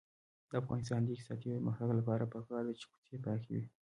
د افغانستان د اقتصادي پرمختګ لپاره پکار ده چې کوڅې پاکې وي.